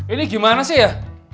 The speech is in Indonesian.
ini gimana sih ya